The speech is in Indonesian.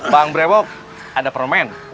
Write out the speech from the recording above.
bang brewok ada permen